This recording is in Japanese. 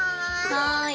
はい。